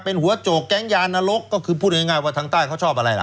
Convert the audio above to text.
เป็นหัวโจกแก๊งยานรกก็คือพูดง่ายว่าทางใต้เขาชอบอะไรล่ะ